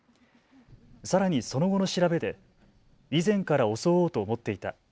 さらにその後の調べで以前から襲おうと思っていた。